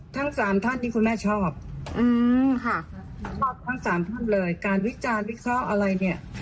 ทั้งสามท่านที่คุณแม่ชอบอืมค่ะชอบทั้งสามท่านเลยการวิจารณ์วิเคราะห์อะไรเนี่ย